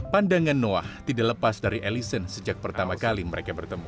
pandangan noah tidak lepas dari allison sejak pertama kali mereka bertemu